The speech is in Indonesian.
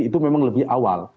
itu memang lebih awal